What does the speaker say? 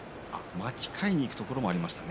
巻き替えにいくところもありました。